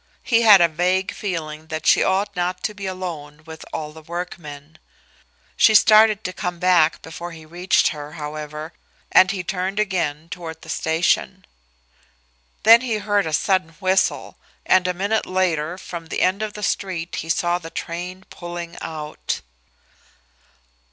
He had a vague feeling that she ought not to be alone with all the workmen. She started to come back before he reached her, however, and he turned again toward the station. Then he heard a sudden whistle, and a minute later from the end of the street he saw the train pulling out.